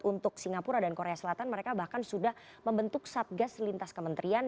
untuk singapura dan korea selatan mereka bahkan sudah membentuk satgas lintas kementerian